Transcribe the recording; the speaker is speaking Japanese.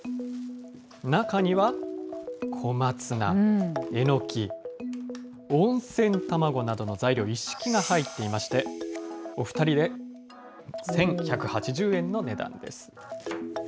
中には、小松菜、えのき、温泉卵などの材料一式が入っていまして、お２人で１１８０円の値段です。